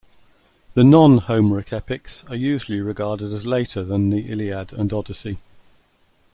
The non-Homeric epics are usually regarded as later than the "Iliad" and "Odyssey".